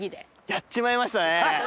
やっちまいましたよ！